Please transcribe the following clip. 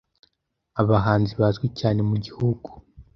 abahanzi bazwi cyane mu gihugu